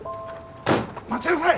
待ちなさい！